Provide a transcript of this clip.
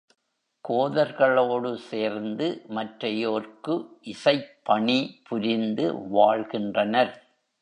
கோதர்களோடு சேர்ந்து மற்றையோர்க்கு இசைப்பணி புரிந்து வாழ்கின்றனர்.